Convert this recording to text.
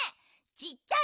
ちっちゃい？